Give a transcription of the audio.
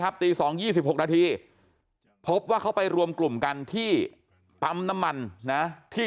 ตี๒๒๖นาทีพบว่าเขาไปรวมกลุ่มกันที่ปั๊มน้ำมันนะที่